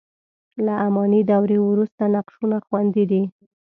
له اماني دورې وروسته نقشونه خوندي دي.